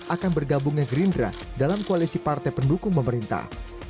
akan bergabungnya gerindra dalam koalisi partai pendukung pemerintah